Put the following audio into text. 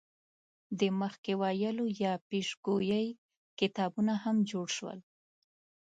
د مخکې ویلو یا پیشګویۍ کتابونه هم جوړ شول.